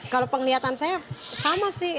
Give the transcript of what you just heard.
kalau penglihatan saya sama sih